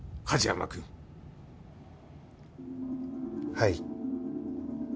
はい。